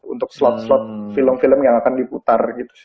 untuk slot slot film film yang akan diputar gitu sih